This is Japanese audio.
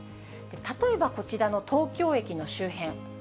例えばこちらの東京駅の周辺。